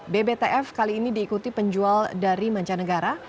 bbtf kali ini diikuti penjual dari mancanegara